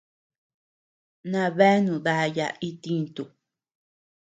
Nabeanu dayaa itintu.